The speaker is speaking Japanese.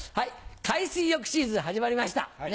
海水浴シーズン始まりました。